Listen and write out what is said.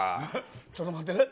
ちょっと待って。